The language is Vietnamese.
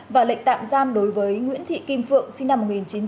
và lệnh tạm giam đối với nguyễn thị kim phượng sinh năm một nghìn chín trăm sáu mươi bảy